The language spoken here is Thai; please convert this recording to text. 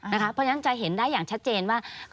เพราะฉะนั้นจะเห็นได้อย่างชัดเจนว่า